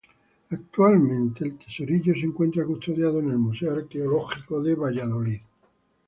Actualmente, el tesorillo se encuentra custodiado en el Museo Arqueológico de Valladolid.